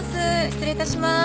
失礼いたします。